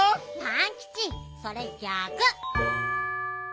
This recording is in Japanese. パンキチそれぎゃく！